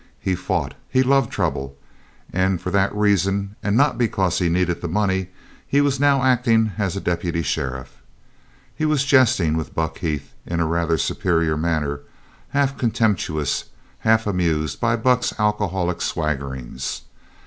He fought; he loved trouble; and for that reason, and not because he needed the money, he was now acting as a deputy sheriff. He was jesting with Buck Heath in a rather superior manner, half contemptuous, half amused by Buck's alcoholic swaggerings.